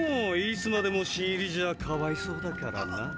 いつまでも「新入り」じゃかわいそうだからな。